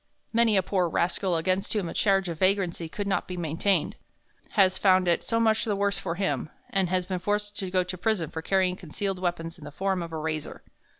Many a poor rascal against whom a charge of vagrancy could not be maintained has found it so much the worse for him, and has been forced to go to prison for carrying concealed weapons in the form of a razor.